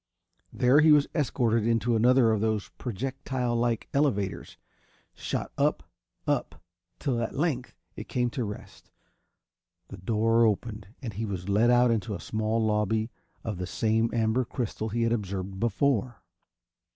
There he was escorted into another of those projectilelike elevators, shot up, up till at length it came to rest. The door opened and he was led out into a small lobby of the same amber crystal he had observed before.